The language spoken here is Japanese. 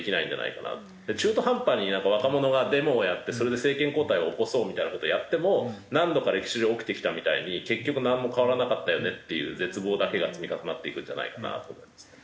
中途半端になんか若者がデモをやってそれで政権交代を起こそうみたいな事をやっても何度か歴史上起きてきたみたいに結局なんも変わらなかったよねっていう絶望だけが積み重なっていくんじゃないかなと思いますね。